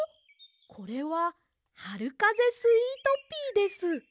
これははるかぜスイートピーです。